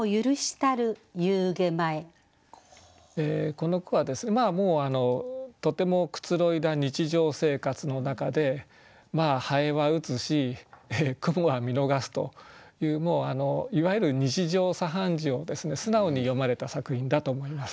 この句はとてもくつろいだ日常生活の中で蠅は打つし蜘蛛は見逃すといういわゆる日常茶飯事を素直に詠まれた作品だと思います。